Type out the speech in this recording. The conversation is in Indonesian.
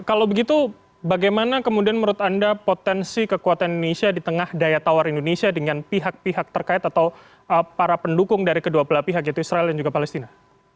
kalau begitu bagaimana kemudian menurut anda potensi kekuatan indonesia di tengah daya tawar indonesia dengan pihak pihak terkait atau para pendukung dari kedua belah pihak yaitu israel dan juga palestina